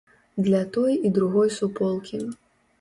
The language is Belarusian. Для той і другой суполкі.